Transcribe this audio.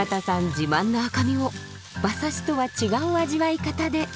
自慢の赤身を馬刺しとは違う味わい方で。